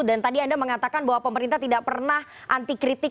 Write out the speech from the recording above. dan tadi anda mengatakan bahwa pemerintah tidak pernah anti kritik